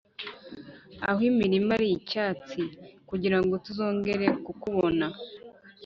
aho imirima ari icyatsi kugirango tuzongere kukubona